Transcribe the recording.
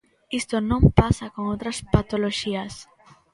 Isto non pasa con outras patoloxías.